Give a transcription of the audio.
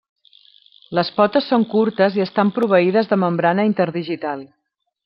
Les potes són curtes i estan proveïdes de membrana interdigital.